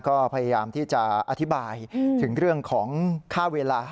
ก็พยายามที่จะอธิบายถึงเรื่องของค่าเวลา